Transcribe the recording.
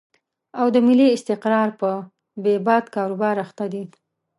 او د ملي استقرار په بې باد کاروبار اخته دي.